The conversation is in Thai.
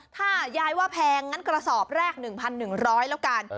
ถ้ายายว่าแพงงั้นกระสอบแรก๑๑๐๐แล้วกัน